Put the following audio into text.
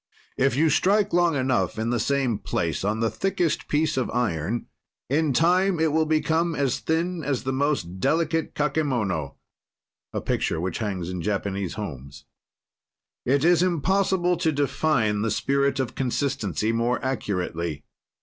"If you strike long enough in the same place on the thickest piece of iron, in time it will become as thin as the most delicate kakemono [a picture which hangs in Japanese homes]. "It is impossible to define the spirit of consistency more accurately.